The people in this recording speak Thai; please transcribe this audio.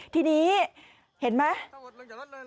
ทีนี้เห็นไหม